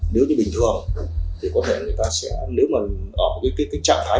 nếu như bình thường thì có thể người ta sẽ nếu mà ở cái trạng thái